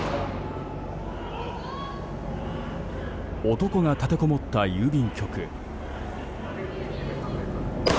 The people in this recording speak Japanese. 男が立てこもった郵便局。